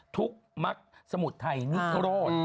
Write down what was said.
ทุกข์มักสมุทรไทยงานโคโรธ